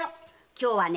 今日はね